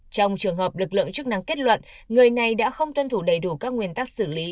trong trường hợp lực lượng chức năng kết luận người này đã không tuân thủ đầy đủ các nguyên tắc xử lý